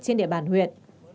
trên địa bàn huyện